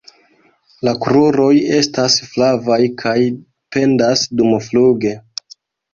La kruroj estas flavaj kaj pendas dumfluge.